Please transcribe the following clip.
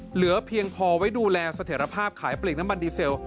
เหลือเพียงพอไว้ดูแลเสถียรภาพขายปลีกน้ำมันดีเซล